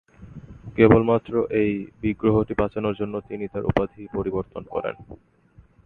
কেবলমাত্র এই বিগ্রহটি বাঁচানোর জন্য তিনি তার উপাধি পরিবর্তন করেন।